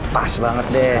pas banget deh